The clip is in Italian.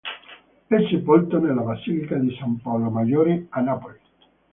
È sepolto nella basilica di San Paolo Maggiore a Napoli.